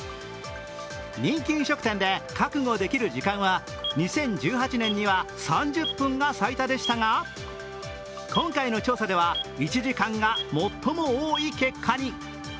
人気飲食店で覚悟できる時間は、２０１８年には３０分が最多でしたが今回の調査では１時間が最も多い結果に。